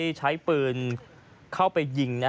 ใช้ปืนเข้าไปยิง